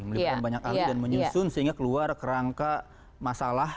melibatkan banyak ahli dan menyusun sehingga keluar kerangka masalah